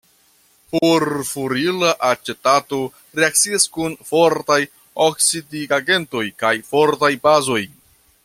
Furfurila acetato reakcias kun fortaj oksidigagentoj kaj fortaj bazoj.